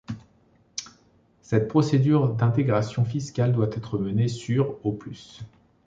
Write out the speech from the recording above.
Cette procédure d'intégration fiscale doit être menée sur au plus.